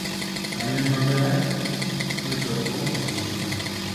kanyo ema ber nochopo e giko